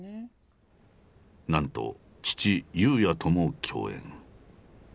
なんと父裕也とも共演。